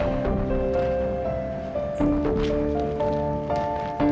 ya allah habis gimana sekarang